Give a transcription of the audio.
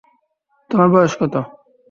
তোমার বয়স কত?